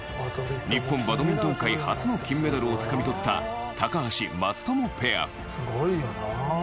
日本バドミントン界初の金メダルをつかみ取った高橋・松友ペア。